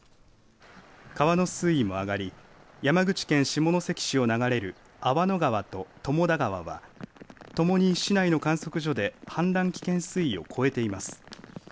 川の水位も上がり山口県下関市を流れる粟野川と友田川はともに市内の観測所で氾濫危険水位を超えています。